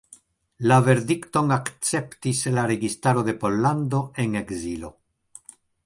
La verdikton akceptis la registaro de Pollando en ekzilo.